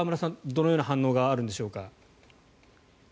どのような反応があるんでしょうか。